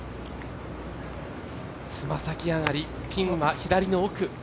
つま先上がり、ピンは左の奥。